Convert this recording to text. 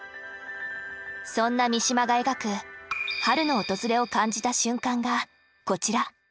そんな三島が描く春の訪れを感じた瞬間がこちら。